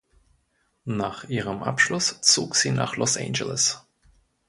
Nach ihrem Abschluss zog sie nach Los Angeles.